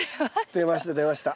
出ました出ました。